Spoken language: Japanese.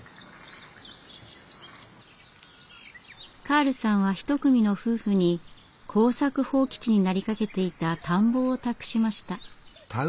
カールさんは一組の夫婦に耕作放棄地になりかけていた田んぼを託しました。